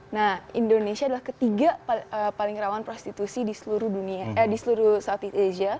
nah indonesia adalah ketiga paling rawan prostitusi di seluruh southeast asia